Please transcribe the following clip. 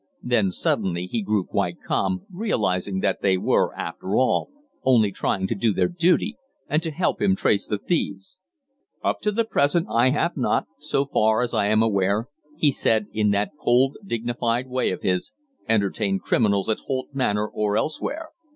Then suddenly he grew quite calm, realizing that they were, after all, only trying to do their duty and to help him to trace the thieves. "'Up to the present I have not, so far as I am aware,' he said in that cold, dignified way of his, 'entertained criminals at Holt Manor or elsewhere.